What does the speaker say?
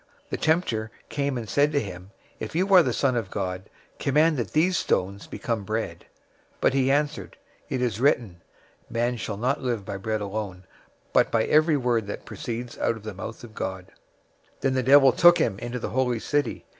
004:003 The tempter came and said to him, "If you are the Son of God, command that these stones become bread." 004:004 But he answered, "It is written, 'Man shall not live by bread alone, but by every word that proceeds out of the mouth of God.'"{Deuteronomy 8:3} 004:005 Then the devil took him into the holy city.